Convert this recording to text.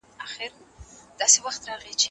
د بازار له رنګینو خوړو ځان وساتئ.